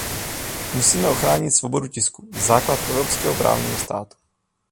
Musíme ochránit svobodu tisku, základ evropského právního státu.